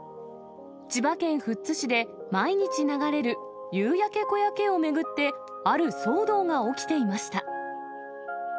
千葉県富津市で毎日流れる夕焼け小焼けを巡って、ある騒動が起きていました。